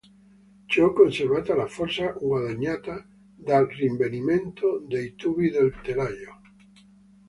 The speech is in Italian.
Ciò conservava la forza guadagnata dal rinvenimento dei tubi del telaio.